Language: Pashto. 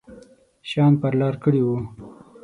شیان پر لار کړي وو.